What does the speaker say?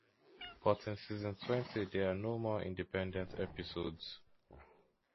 But in season twenty there are no more independent episodes.